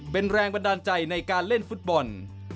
เป็นแรงบันดาลใจในการเล่นฟุตบอล